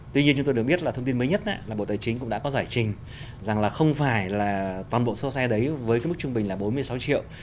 tuy nhiên chúng tôi được biết là thông tin mới nhất là bộ tài chính cũng đã có giải trình rằng là không phải là toàn bộ số xe đấy với cái mức trung bình là bốn mươi sáu triệu